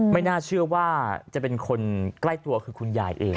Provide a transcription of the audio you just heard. ไม่น่าเชื่อว่าจะเป็นคนใกล้ตัวคือคุณยายเอง